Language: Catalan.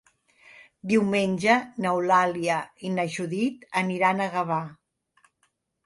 Diumenge n'Eulàlia i na Judit aniran a Gavà.